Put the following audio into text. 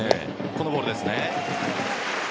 このボールですね。